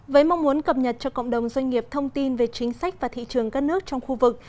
với mong muốn cập nhật cho cộng đồng doanh nghiệp thông tin về chính sách và thị trường các nước trong khu vực